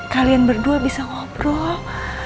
kalian berdua bisa ngobrol